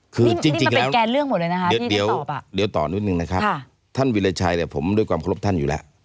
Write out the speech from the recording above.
คือจริงแล้วเดี๋ยวต่อนิดหนึ่งนะครับท่านวิลัยชัยผมด้วยความเคารพท่านอยู่แล้ว